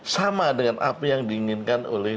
sama dengan apa yang diinginkan oleh